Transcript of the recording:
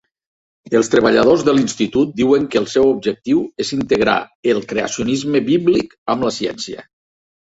Els treballadors de l'institut diuen que el seu objectiu és integrar el creacionisme bíblic amb la ciència.